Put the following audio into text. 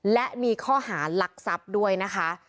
และมีข้อหาร์หลักศัพท์ด้วยนะครับ